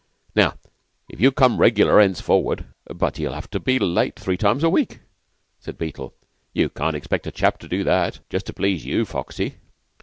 Now, if you come regular henceforward " "But he'll have to be late three times a week," said Beetle. "You can't expect a chap to do that just to please you, Foxy."